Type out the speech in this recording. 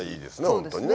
本当にね。